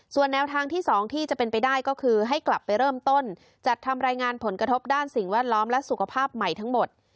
ส่วนแนวทางที่๒ที่จะเป็นไปได้ก็คือให้กลับไปเริ่มต้นจัดทำรายงานผลกระทบด้านสิ่งแวดล้อมและสุขภาพใหม่ทั้งหมด